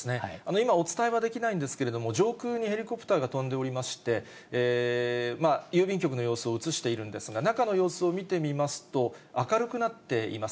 今、お伝えはできないんですけれども、上空にヘリコプターが飛んでおりまして、郵便局の様子を映しているんですが、中の様子を見てみますと、明るくなっています。